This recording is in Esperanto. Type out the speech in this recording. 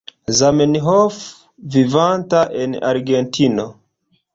Zamenhof, vivanta en Argentino.